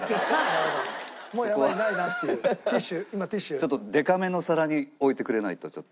ちょっとでかめの皿に置いてくれないとちょっと。